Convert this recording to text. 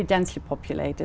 đã kết thúc một luật pháp